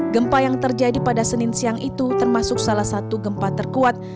gempa yang terjadi pada senin siang itu termasuk salah satu gempa terkuat